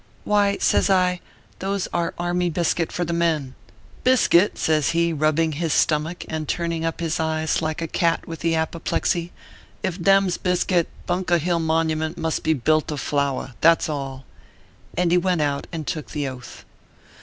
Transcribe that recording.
" Why/ says I, " those are army biscuit for the men/ " Biscuit !" says he, rubbing his stomach, and turning up his eyes like a cat with the apoplexy " if them s biscuit, Bunker Hill Monument must be built of flour that s all." And he went out and took the Oath.